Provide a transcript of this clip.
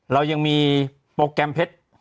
เรายังมีโปรแกรมเพชร